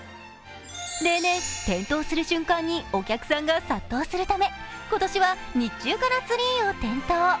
例年、点灯する瞬間にお客さんが殺到するため今年は日中からツリーを点灯。